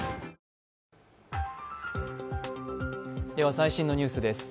最新のニュースです。